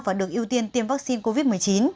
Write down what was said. và được ưu tiên tiêm vaccine covid một mươi chín